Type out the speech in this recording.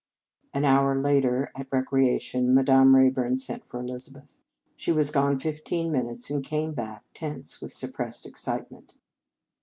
An hour later, at recreation, Madame Rayburn sent for Elizabeth. She was gone fifteen minutes, and came back, tense with suppressed excitement.